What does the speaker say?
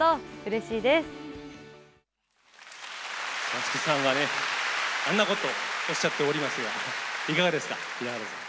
五月さんがあんなことをおっしゃっておりましたがいかがですか？